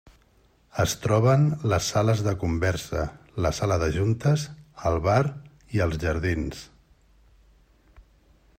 Es troben les sales de conversa, la sala de juntes, el bar i els jardins.